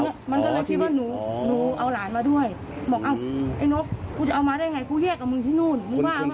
มันก็เลยคิดว่านุเอารหารมาด้วย